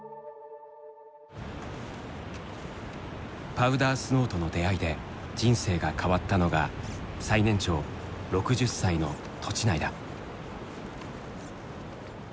パウダースノーとの出会いで人生が変わったのが最年長６０歳の栃内だ。